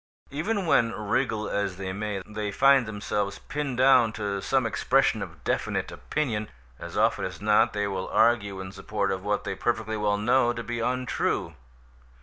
Even when, wriggle as they may, they find themselves pinned down to some expression of definite opinion, as often as not they will argue in support of what they perfectly well know to be untrue.